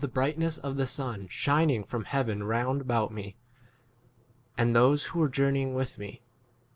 brightness of the sun shining from heaven round about ine and those who were journeying with me.